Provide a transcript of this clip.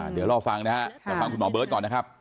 เดี๋ยวเราฟังคุณหมอเบิร์ตก่อนนะครับ